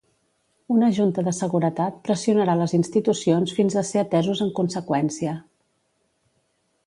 Una Junta de Seguretat pressionarà les institucions fins a ser atesos en conseqüència.